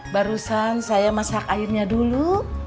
barusan saya masak airnya dulu